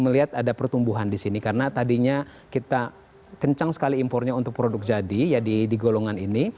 melihat ada pertumbuhan di sini karena tadinya kita kencang sekali impornya untuk produk jadi ya di golongan ini